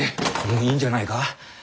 もういいんじゃないか？